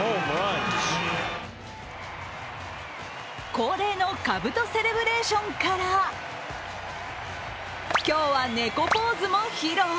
恒例のかぶとセレブレーションから今日は猫ポーズも披露。